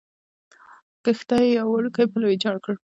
کښته یې یو وړوکی پل ویجاړ کړی.